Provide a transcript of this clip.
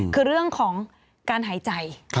คือเรื่องของการหายใจ